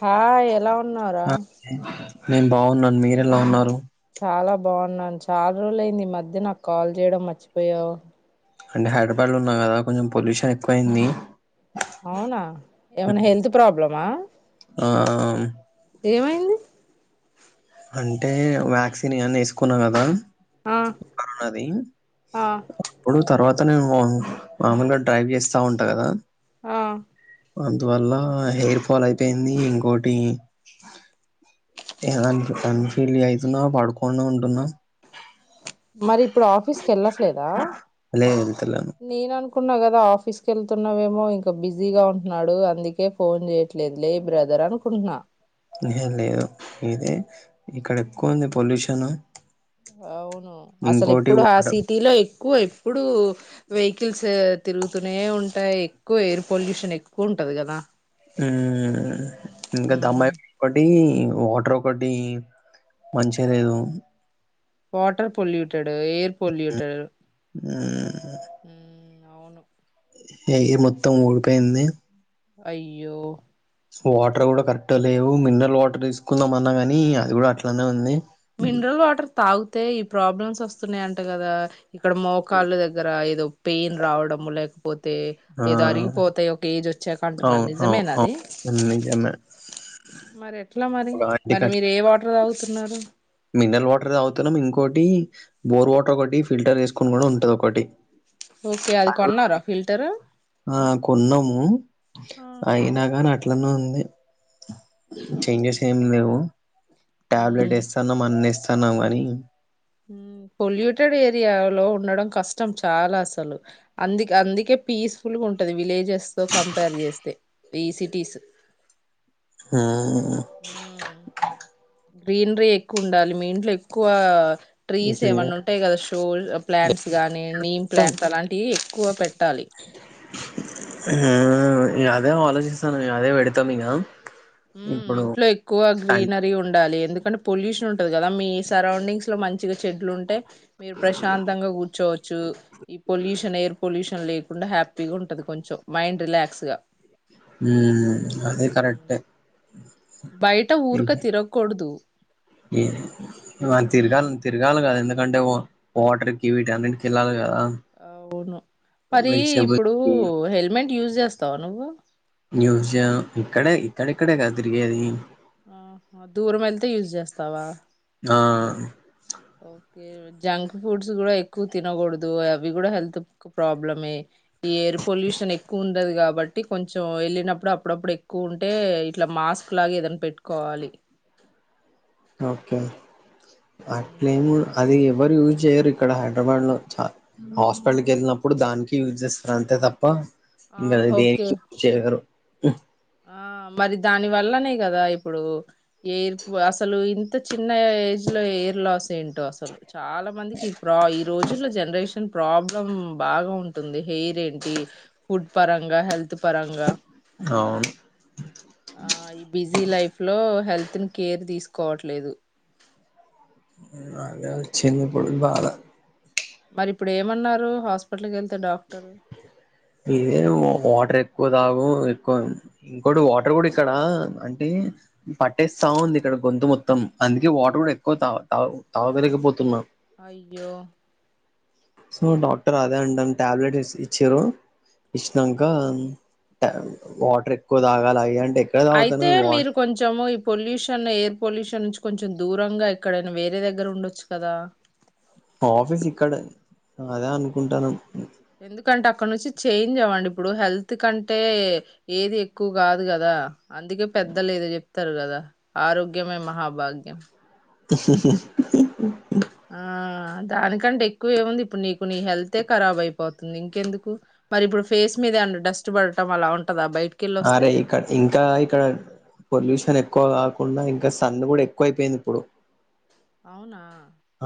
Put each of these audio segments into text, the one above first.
హా ఎలా ఉన్నారు ఆ నేను బాగున్నాను మీరెలా ఉన్నారు చాలా బాగున్నాను చాలా రోజులు అయింది ఈ మధ్య నాకు కాల్ చేయడం మర్చిపోయావు అంటే హైదరాబాద్ లో ఉన్నా కదా కొంచెం పొల్యూషన్ ఎక్కువైంది అవునా ఏమనా హెల్త్ ప్రాబ్లమా ఆ ఏమైంది అంటే వ్యాక్సిన్ ఇవన్న వేసుకున్నా కదా ఆ ది ఆ అప్పుడు తర్వాత అ నేను మామూలుగా డ్రైవ్ చేస్తా ఉంటా కదా ఆ అందువల్ల హెయిర్ ఫాల్ అయిపోయింది ఇంకోటి అ అన్ఫలి అవుతున్నా పడుకోండా ఉంటున్నా మరి ఇప్పుడు ఆఫీస్కి వెళ్ళట్లేదా లేదు వెళ్తలేను నేన అనుకు అనున్నా కదా ఆఫీస్ క వెళ్తున్నావేమో ఇంకా బిజీగా ఉంటున్నాడు అందుకే ఫోన్ చేయట్లేదు లే బ్రదర్ రనుకున్నా ఏ లేదు ఇది ఇక్కడ ఎక్కువ ఉంది పొల్యూషను అవును అసలు ఎప్పుడు ఆ సిటీలో ఎక్కువ ఎప్పుడు వెహికల్స్ తిరుగుతూనే ఉంటాయి ఎక్కువ ఎయిర్ పొల్యూషన్ ఎక్కువ ఉంటది కదా ఇంకా ఉమ్. దమ్మాయి ఒకటి ఈ వాటర్ ఒకటి మంచి లేదు వాటర్ పొల్యూటెడ్ ఎయిర్ పొల్యూటెడ్ అవును ఏ్య మొత్తం ఊడిపోయింది అయ్యో వాటర్ కూడా కరెక్ట్లేవు మినరల్ వాటర్ తీసుకుందాం అన్నా గాని అది కూడా అట్లానే ఉంది మినరల్ వాటర్ తాగితే ఈ ప్రాబ్లమ్స్ వస్తున్నాయ అంట కదా ఇక్కడ మోకాళ్ళ దగ్గర ఏదో పెయిన్ రావడం లేక పోతే ఆ ఏదో అరిగిపోతేా ఒక ఏజ్ వచ్చాక అంటున్నారు అవును అవు నిజమేనాది అవును నిజమే మరి ఎట్లా మరి ఒక ఆంటీ కి మరి అట్లా మీరు ఏ వాటర్ తాగుతున్నారు మినరల్ వాటర్ అవుతున్నాం ఇంకోొటి బోర్ వాటర్ ఒకటి ఫిల్టర్ చేసుకుని కూడా ఉంటది ఒకటి ఓకే అది కొన్నారా ఫిల్టర్ ఆ కొన్నాము ఆ అయినా కాని అట్లనే ఉంది చేంజెస్ అయ్యో ఏమి లేవు టాబ్లెట్ ఉమ్ ఇస్తున్నాం అన్ని ఇస్తున్నాం కానీ పొల్యూటెడ్ ఏరియాలో ఉండడం కష్టం చాలా అసలు అందు అందుకే పీస్ఫుల్ గా ఉంటది విలేజెస్ తో కంపేర్ చేస్తే ఈ సిటీస్ ఆ గ్రీనరీ ఎక్కువ ఉండాలి మీ ఇంట్లో ఎక్కువ ట్రీస్ ఏమన్నా ఉంటాయి కదా షో ప్లాంట్స్ ఇస్తాం గానీ నీమ్ ప్లాంట్స్ అలాంటివి ఎక్కువ పెట్టాలి ఆ అదే ఆలోచిస్తాను అదే పెడతాం ఇక ఇప్పుడు ఇంట్లో ఎక్కువ గ్రీనరీ ఉండాలి ఎందుకంటే పొల్యూషన్ కదా మీ సరౌండింగ్స్ లో మంచి చెడ్లు ఉంటే మీరు ప్రశాంతంగా కూర్చోవచ్చు ఈ పొల్యూషన్ ఎయిర్ పొల్యూషన్ లేకుండా హ్యాపీగా ఉంటంది కొంచెం మైండ్ రిలాక్స్ గా అదే ఉమ్. కరెక్ట్ బయట ఊరుక తిరగకూడదు తిరగా ఉమ్ తిరగాలు కద ఎంత ఎందుకంటే వాటర్ కివిటి అన్నికి వెళ్ళాలి కదా అవును మరి వెజిటబుల్ ఇప్పుడు హెల్మెట్ యూజ్ చేస్తావా నువ్వు న్యూజయం ఇక్కడే ఇక్కడక్కడే కద తిరిగేది ఆ దూరం వెళతే యూజ్ చేస్తావా ఆ ఓకే జంక్ ఫుడ్స్ కూడా ఎక్కువ తినకూడదు అవి కూడా హెల్త్ ప్రాబ్లమే ఈ ఎయిర్ పొల్యూషన్ ఎక్కువ ఉండది కాబ కాబట్టి కొంచెం వెళ్ళినప్పుడు అప్పుడప్పుడు ఎక్కువ ఉంటే ఇట్లా మాస్క్ లాగా ఏదైనా పెట్టుకోవాలి ఓకే అట్లే మ్మ్. అది ఎవరు యూజ్ చేయరు ఇక్కడ హైదరాబాద్లో చ హాస్పిటల్కి వెళ్ళినప్పుడు దానికి యూజ్ చేస్తారు అంతే తప్ప ఆ ఇంకా ఓకే దేనికి చేయగరు ఆ మరి దాని వల్లనే కదా ఇప్పుడు ఎర్పు అసలు ఇంత చిన్న ఏజ్ లో ఎర్ లాస్ ఏంటో అసలు చాలా మందికిప్పు ఈ రోజు బ్యులో జనరేషన్ ప్రాబ్లం బాగా ఉంటుంది హెయిర్ ఏంటి ఫుడ్ పరంగా హెల్త్ పరంగా అవును బీసీ లైఫ్ లో హెల్త్ ని కేర్ తీసుకోవట్లేదు అదే వచ్చన్న ఇప్పుడు బాధ మరి ఇప్పుడు ఏమన్నారు హాస్పిటల్కి వెళ్తే డాక్టరు ఇదే వాటర్ ఎక్కువ తాగు ఎక్కువ ఇంకోటి వాటర్ కూడా ఇక్కడా అంటే పట్టేస్తా ఉంది ఇక్కడ గొంతు మొత్తం అందుకే వాటర్ కూడా ఎక్కువ తా తా తాగగలిగిపోతున్నాం అయ్యో సో డాక్టర్ అదే అండిని టాబ్లెట్ ఇచ్చారు ఇచ్చినాక వాటర్ ఎక్కువ తాగాలి అం అయితే మీరు కొంచము పొల్యూషన్ ఎయిర్ పొల్యూషన్ నుంచి కొంచెం దూరంగా ఎక్కడైనా వేరే దగ్గర ఉండొచ్చు కదా ఆఫీస్ ఇక్కడ అదే అనుకుంటానా ఎందుకంటే అక్కడ నుంచి చేంజ్ అవ్వండి ఇప్పుడు హెల్త్ కంటే ఏది ఎక్కువ కాదు కదా అందుకే పెద్దలే ఏదో చెప్తారు కదా ఆరోగ్యమే మహాభాగ్యం హుహుహు ఆ దానికంటే ఎక్కువ ఏముంది ఇప్పుడు నీకు నీ హెల్తే ఖరాబ్ అయిపోతుంది ఇంకెందుకు మరి ఇప్పుడు ఫేస్ మీద డస్ట్ పడటం అలా ఉంటా అరే ఇక్కడ ఇంకా ఇక్కడ పొల్యూషన్ ఎక్కువ కున్నా ఇంకా సన్ను కూడా ఎక్కువైపోయింది ఇప్పుడు అవునా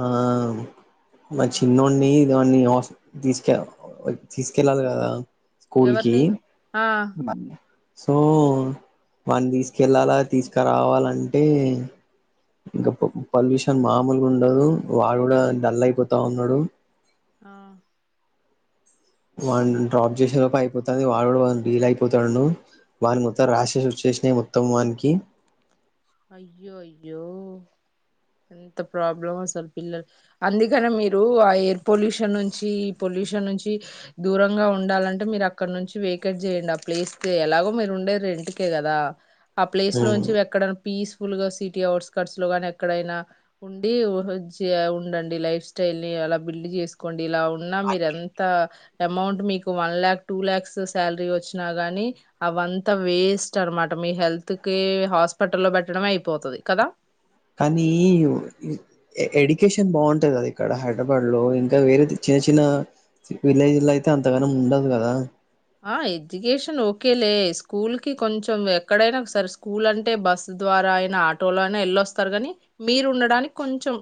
ఆ మరి ఆహా చిన్నోడి దన్ని తీసుకె తీసుకెళ్ళాలి కదా స్కూల్ కి ఎవరిని ఆ సో వాని తీసుకెళ్ళాలా తీసుకురావాలంటే ఇంకా పొల్యూషన్ మామూలుగా ఉండదు వాడు కూడా డల్ అయిపోతా ఉన్నాడు ఆ వా డ్రాప్ చేసిన లోప్ప అయిపోతుంది వాడు కూడా డీల్ అయిపోతా నువు వని మత్తం రాసెస్ వచ్చేసినా మొత్తం వనికి అయ్యో అయ్యో ఎంత ప్రాబ్లం అసలు పిల్లలు అందుకని మీరు ఆ ఎయిర్ పొల్యూషన్ నుంచిొల పొల్యూషన్ నుంచి దూరంగా ఉండాలంటే మీరు అక్కడ నుంచి వెకేట్ చేయండి ఆ ప్లేస్ ఎలాగో మీరు ఉండే ఇంటికే కదా ఆ ప్లేస్ లో నుంచి ఎక్కడ పీస్ఫుల్ గా సిటీ అవుట్స్కట్స్ లో గాని ఎక్కడైనా ఉండి ఉండండి లైఫ్ స్టైల్ అలా బిల్డ్ చేసుకోండి ఇలా ఉన్నా మీర ఎంత అమౌంట్ మీకు one lakh two lakhs salary వచ్చినా గానీ అవంతా వేస్ట్ అనమాట మీ హెల్త్ కి హాస్పిటల్ లో పెట్టడమే అయిపోతుంది కదా కానీ ఎడ్యుకేషన్ బాగుంటాది కద ఇక్కడ హైదరాబాద్ లో ఇంకా వేరే చిన్న చిన్న విలేజ్ లో అయితే అంతగానం ఉండదు కదా ఆ ఎడ్యుకేషన్ ఓకేలే స్కూల్ కి కొంచెం ఎక్కడైనా ఒకసారి స్కూల్ అంటే బస్సు ద్వారా అయిన ఆటోలో అయినా ఎల్ళొస్తారు గాని మీరు ఉండడానికి కొంచెం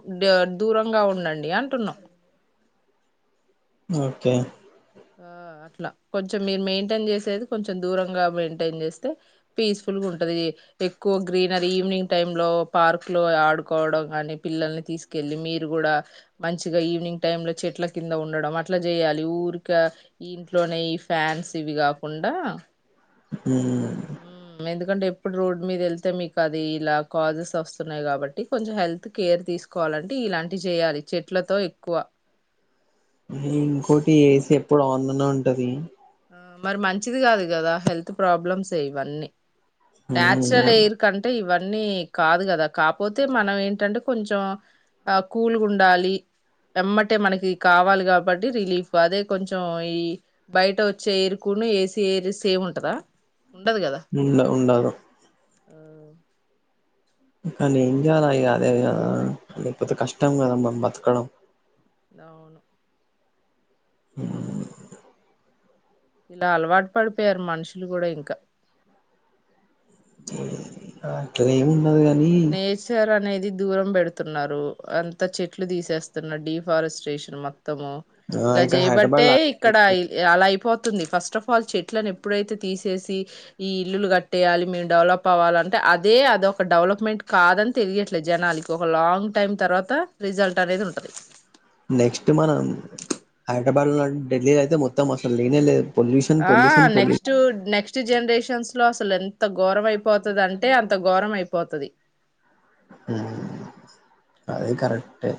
దూరంగా ఉండండి అంటున్నాం ఓకే ఆ అట్లా కొంచెం మీరు మెయింటైన్ చేసేది కొంచెం దూరంగా మెయింటైన్ చేస్తే పీస్ఫుల్ ఉంటది ఎక్కువ గ్రీనరీ ఈవినింగ్ టైమ్ లో పార్క్ లో ఆడుకోవడం కాని పిల్లల్ని తీసుకెళ్ళి మీరు కూడా మంచిగా ఈవినింగ్ టైమ్ లో చెట్ల కింద ఉండడం అట్లా చేయాలి ఊరి ఇంకా ఇంట్లోనే ఈ ఫ్యాన్స్ ఇవి కాకుండా ఉమ్, ఎందుకంటే ఇప్పుడు రోడ్ మీద వెళ్తే మీకు అది ఇలా కాజెస్ వస్తున్నాయి కాబట్టి కొంచెం హెల్త్ కేర్ తీసుకోవాలంటే ఇలాంటి చేయాలి చెట్లతో ఎక్కువ ఇంకోటి ఏసీ ఎప్పుడు ఆన్ లోనే ఉంటది ఆ మరి మంచిది కాదు కదా హెల్త్ ప్రాబ్లమ్స్ ఏ ఇవన్నీ నాచురల్ ఉమ్, ఎయిర్ కంటే ఇవన్నీ కాదు కదా కాకపోతే మనం ఏంటంటే కొంచెం ఆ కూల్గా ఉండాలి ఎమ్మటే మనకి కావాలి కాబట్టి రిలీఫ్ అదే కొంచెం ఈ బయట వచ్చి చేయిర్కును ఏసీ ఎయిర్ సేమ్ ఉంటదా ఉండదు కదా ఉండ ఉండదు ఆ కానీ ఎం జేయల ఇగ అదే లేకపోతే కష్టం కదా మనం బతకడం అవును అ [unintelligible] ఇలా అలవాటు పడిపోయారు మనుషులు కూడా ఇంకా ఆక్కడ [unintelligible] నేచర్ అనేది దూరం పెడుతున్నారు అంత చెట్లు తీసేస్తున్నారు డిఫారెస్ట్రేషన్ మొత్తం మొత్తము ఆ ఇలా ఇక్కడ చేయబట్టే హైదరాబాద్ లో ఇక్కడ అలా అయిపో తుంది ఫస్ట్ ఆఫ్ ఆల్ చెట్లను ఎప్పుడైతే తీసేసి ఈ ఇల్లులు కట్టేయాలి మేము డెవలప్ అవ్వాలంటే అదే అది ఒక డెవలప్ డెవలప్మెంట్ కాదని తెలియట్లేదు జనాలకి ఒక లాంగ్ టైం తర్వాత రిజల్ట్ అనేది ఉంటది నెక్స్ట్ మనం హైదరాబాద్ లో ఢిల్లీలో అయితే మొత్తం అసలు లేనే లేదు పొల్యూషన్ ఆ pollution next pollution next generation లో అసలు ఎంత ఘోరం అయిపోతది అంటే అంత ఘోరం అయిపోతది అది కరెక్టే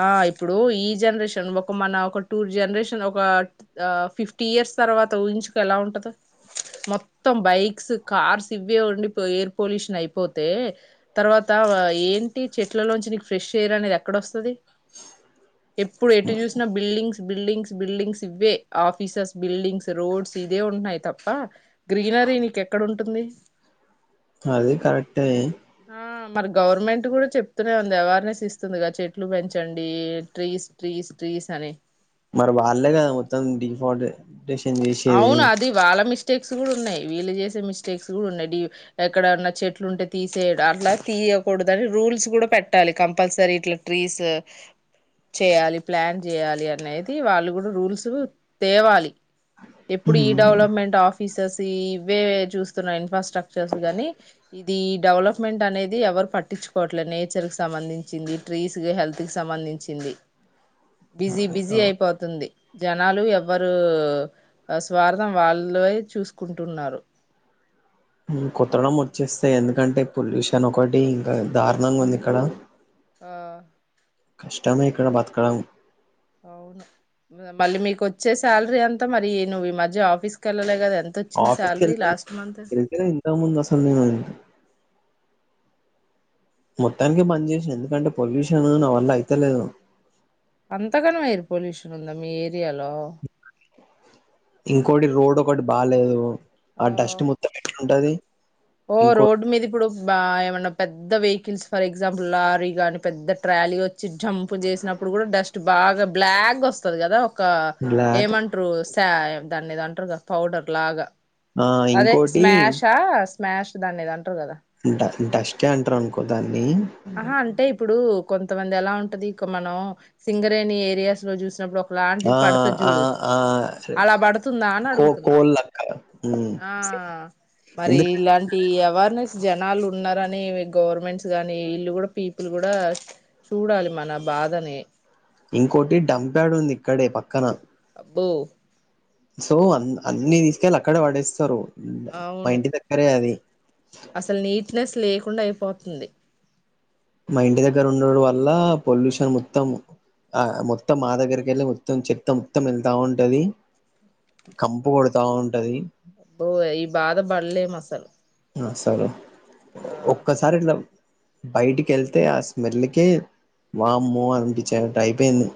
ఆ ఇప్పుడు ఈ జనరేషన్ ఒక మన ఒక టూర్ జనరేషన్ ఒక ఫిఫ్టీ ఇయర్స్ తర్వాత ఊహించు కో ఎలా ఉంటది మొత్తం బైక్స్ కార్స్ ఇవే ఉండి ఎయిర్ పొల్యూషన్ అయిపోతే తర్వాత ఏంటి చెట్లలోంచి నీకు ఫ్రెష్ ఎయిర్ అనేది ఎక్కడ వస్తుంది ఎప్పుడు ఎటు చూసిన బిల్డింగ్స్ బిల్డింగ్స్ బిల్డింగ్స్ ఇవ్వే ఆఫీసెస్ బిల్డింగ్స్ రోడ్స్ ఇదే ఉంటున్నాయి తప్ప గ్రీనరీ నీకేక్కడ ఉంటుంది అది కరెక్టే ఆ మరి గవర్నమెంట్ కూడా చెప్తూనే ఉంది అవేర్నెస్ ఇస్తుందిగా చెట్లు పెంచండి ట్రీ ట్రీస్ ట్రీస్ అని మరి వాళ్లే కదా మొత్తం డిఫాల్ట్ డేషన్ చేసేది అవును అది వాళ్ళ మి మిస్టేక్స్ కూడా ఉన్నాయి వీళ్ళ చేసే మిస్టేక్స్ కూడా ఉన్నాయి ఎక్కడన్న చెట్లు ఉంటే తీసే అట్లా తీస తియకూడదు అని రూల్స్ కూడా పెట్టాలి కంపల్సరీ ఇట్లా ట్రీస్ చేయాలి ప్లాన్ చేయాలి అనేది వాళ్ళు కూడా రూల్స్ తేవాలి ఎప్పుడు ఈ ఉమ్, డెవలప్మెంట్ ఆఫీసర్స్ ఇవే చూస్తున్నా ఇన్ఫ్రాస్ట్రక్చర్స్ గానీ ఇది ది డెవలప్మెంట్ అనేది ఎవరు పట్టించుకోవట్లేదు నేచర్ కి సంబంధించింది ట్రీస్ కి హెల్త్ కి సంబం ధించింది బిజీ బిజీ అయిపోతుంది జనాలు ఎవ్వరు ఆ స్వార్థం వాళ్ళే చూసుకుంటున్నారు హ్మ్ కోతడం వచ్చేస్తే ఎందుకంటే పొల్యూషన్ ఒకటి ఇంకా దారుణంగా ఉంది ఇక్కడ ఆ కష్టమే ఇక్కడ బతకడం అవును మళ్ళీ మీకు వచ్చే శాలరీ అంతా మరి నువ్వు ఈ మధ్య ఆఫీస్ కి వెళ్ళలే కదా ఎంతొచ్చింది ఆఫీస్కి శాలరీ వెళ్తే లాస్ట్ మంత్ వెళ్తే ఇంత ముందు అసలు నేను మొత్తానికి బంచెస్ ఎందుకంటే పొల్యూషన్ నా వల్ల అయితలేదు అంతగనం ఎయిర్ పొల్యూషన్ ఉందా మీ ఏరియాలో ఇంకోటి రోడ్ ఒకటి బాలేదు ఆ డస్ట్ మొత్తం ఎట్లా ఉంటది ఓ రోడ్ మీదకు కూడ వస్ బా ఏమన్నా పెద్ద వెహికల్స్ ఫర్ ఎగ్జాంపుల్ లారీగాని పెద్ద ట్రాలీ వ చి జంప్ చేసినప్పుడు కూడా డస్ట్ బాగా బ్లాక్గా వస్తది కదా ఒక బ్లాక్ ఏమంటరు తా దాన్ని ఏదో అంటారు కదా పౌడర్ లాగా ఆ అదే ఇంకోటి స్మాషా స్మాష్ దాన్ని ఏదో అన్ ఇంట ఇంట డస్ట్ ఎ అంటారు అనుకో దాన్ని ఆహా అంటే ఇప్పుడు కొంతమంది ఎలా ఉంటది ఇక మనం సింగరేణి ఏరియాస్ లో చూసినప్పుడు ఒకలాంటిది ఆ పడుతది ఆ చూడు ఆ అలా పడుతుందా అని కో అడుగుతున్నా కోల్ లక్క ఉమ్ ఆ ఆ మరి ఎందుకు ఇలాంటి అవేర్నెస్ జనాలు ఉన్నారని గవర్నమెంట్స్ గానీ ఇల్లు కూడా పీపుల్ కూడా చూడాలి మన బాధని ఇంకోటి డంప్యాడ్ ఉంది ఇక్కడే పక్కన ఓ సో అ అన్ని తీసుకెళ్ళి అక్కడే పడేస్తారు మా అవును ఇంటి దగ్గరే అది అసలు నీట్నెస్ లేకుండా అయిపోతుంది మా ఇంటి దగ్గర ఉండడు వల్ల పొల్యూషన్ మొత్తం ఆ మొత్తం మా దగ్గరికి వెళ్ళి మొత్తం చెత్త మొత్తం వెళ్తా ఉంటది కంపు కొడతా ఉంటది ఓయ్ ఈ బాధ పడలేం అసలు ఆ సరు ఆ ఒక్కసారి ఇట్లా బయటికి వెళ్తే ఆ స్మెల్క్ వామ్మో అనిపించేటటు అయిపోయింది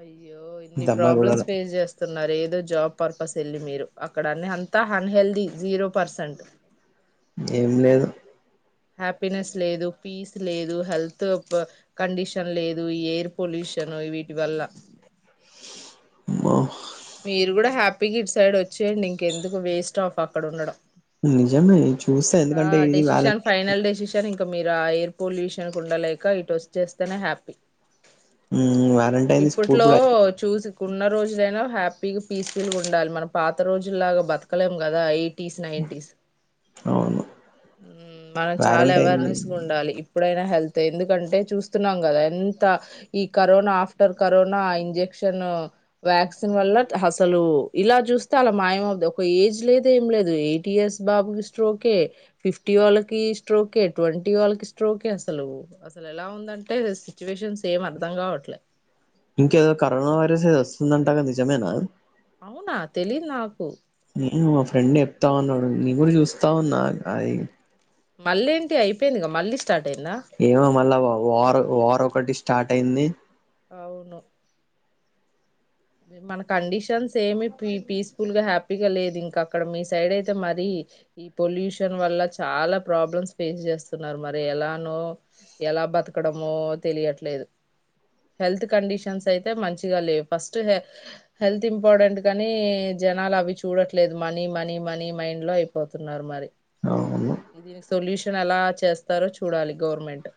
అయ్యో ఇన్ని ప్రాబ్లమ్స్ దమ్మగూడలో ఫేస్ చేస్తున్నారు ఏదో జాబ్ పర్ప పస్ ఎల్లి మీరు అక్కడ అన్న అంతా అన్హెల్దీ జీరో పర్సెంట్ ఏం లేదు హ్యాపీనెస్ లేదు పీస్ లేదు హెల్త్ కండిషన్ లేదు ఎయిర్ పొల్యూష నోయి వీటి వాళ్ళ మ మీరు కూడా హ్యాపీగా ఇటు సైడ్ వచ్చేయండి ఇంకెందుకు వేస్ట్ ఆఫ్ అక్కడ ఉండడం నిజమే చూస్తా ఆ ఎందుకంటే ఇది డెసిషన్ వ్యాలంటైన్ ఫైనల్ డెసిషన్ ఇంక ఇక మీరు ఆ ఎయిర్ పొల్యూషన్ కు ఉండలేక ఇటు వచ్చేస్తేనే హ్యాపీ హ్మ్. వాలంటైన్‌ది స్కూల్ ఇప్పట్లో కూడా అయిపోయింది. చూసికున్న రోజు ఏదైనా హ్యాపీగా పీస్ ఫుల్గా ఉండాలి మనం పాత రోజులాగా బతకలేం కదా ఎయిట్ టిస్ నైన్టిస్ అవును. హ్మ్ మనం చాలా వాలంటైన్‌ది అవేర్నెస్ ఉండాలి ఎప్పుడైనా హెల్త్ ఎందుకంటే చూస్తున్నాం కదా ఎంత ఈ corona after corona injection vaccine వల్ల అసలు ఇలా చూస్తే అలా మాయ అవుదు ఒక ఏజ్ లేద ఏం లేదు ఎయిటీ ఇయర్స్ బాబుకి స్ట్రోకే ఫిఫ్టీ వాళ్ళకి స్ట్రోకే ట్వంటీ వాళ్ళకి స్ట్రోకే అసలు అసలు ఎలా ఉందంటే సిట్యుయేషన్ ఏం అర్థం కావట్లే ఇంకేదో కరోనా వైరస్ ఏది వస్తుందంటాగా నిజమేనా అవునా తెలిదు నాకు నే మా ఫ్రెండ్ చెప్తుంది నేను కూడా చూస్తావున్నా అది మళ్ళ ఏంటి అయిపోయిందిగా మళ్ళీ స్టార్ట్ అయిందా ఏమో మళ్ళ వార్ ఒకటి స్టార్ట్ అయింది అవును మన కండిషన్స్ ఏమి పీస్ఫుల్ గా హ్యాపీగా లేదు ఇంకా అక్కడ మీ సైడ్ అయితే మరి ఈ పొల్యూషన్ వల్ల చాలా ప్రాబ్లమ్స్ ఫేస్ చేస్తున్నారు మరి ఎలానో ఎలా బతకడమో తెలియట్లేదు హెల్త్ కండిషన్స్ అయితే మంచిగా లేవు ఫస్ట్ హెల్త్ ఇంపార్టెంట్ కానీ జనాలు అవి చూడట్లేదు మనీ మనీ మనీ మైండ్ లో అయిపోతున్నారు మరి అవును. దీనికి సొల్యూషన్ ఎలా చేస్తారో చూడాలి గవర్నమెంట్